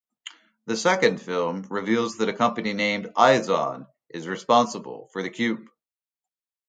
The second film reveals that a company named Izon is responsible for the Cube.